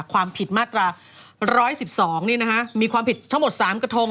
ความผิดมาตรา๑๑๒มีความผิดทั้งหมด๓กระทง